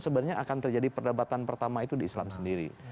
sebenarnya akan terjadi perdebatan pertama itu di islam sendiri